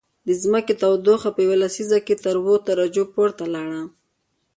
د ځمکې تودوخه په یوه لسیزه کې تر اووه درجو پورته لاړه